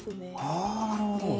あなるほど！